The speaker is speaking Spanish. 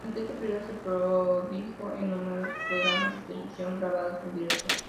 Durante este período, se prodigó en numerosos programas de la televisión grabados en directo.